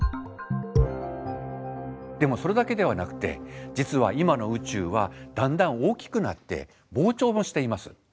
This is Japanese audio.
でもそれだけではなくて実は今の宇宙はだんだん大きくなって膨張もしています。